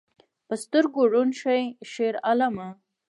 په سترګو ړوند شې شیرعالمه